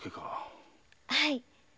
はい。